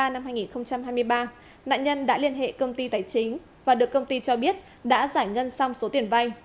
năm hai nghìn hai mươi ba nạn nhân đã liên hệ công ty tài chính và được công ty cho biết đã giải ngân xong số tiền vay